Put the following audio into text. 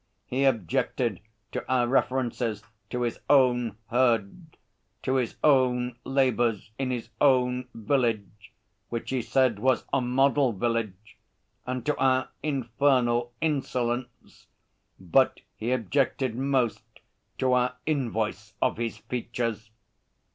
He objected to our references to his own herd, to his own labours in his own village, which he said was a Model Village, and to our infernal insolence; but he objected most to our invoice of his features.